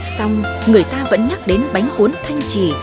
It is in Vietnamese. xong người ta vẫn nhắc đến bánh cuốn thanh trì